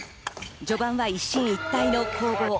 序盤は一進一退の攻防。